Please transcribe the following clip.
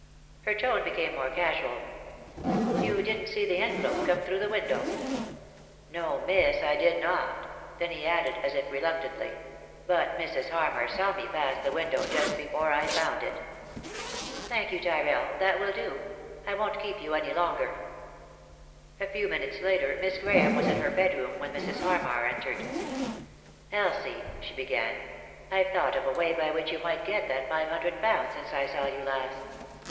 Her tone became more casual. " You didn't see the envelope come through the window?" 217 3i 9 iii^d by Google THE INTERRUPTED KISS "No miss, I did not" — then he added, as if re luctantly — "but Mrs. Harmar saw me pass the window just before I found it" " Thank you, Tyrrell ; that will do. I won't keep you any longer." A few minutes later Miss Grahame was in her bedroom when Mrs. Harmar entered. "Elsie," she began, "I've thought of a way by which you might get that five hundred pounds since I saw you last.